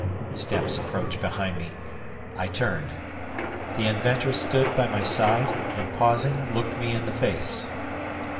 Steps approached behind me. I turned. The inventor stood by my side, and pausing looked me in the face.